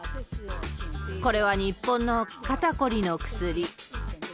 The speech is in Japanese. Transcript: これは日本の肩凝りの薬。